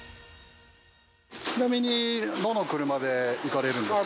ちなみにどの車で行かれるんですか？